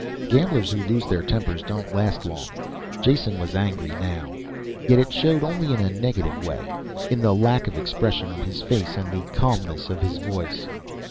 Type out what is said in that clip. Gamblers who lose their tempers don't last long. Jason was angry now. Yet it showed only in a negative way. In the lack of expression on his face and the calmness of his voice.